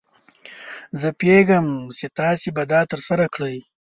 زه پوهیږم چې تاسو به دا ترسره کړئ.